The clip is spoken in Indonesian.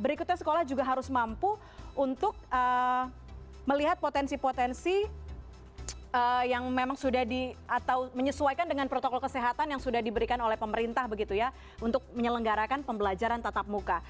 berikutnya sekolah juga harus mampu untuk melihat potensi potensi yang memang sudah di atau menyesuaikan dengan protokol kesehatan yang sudah diberikan oleh pemerintah begitu ya untuk menyelenggarakan pembelajaran tatap muka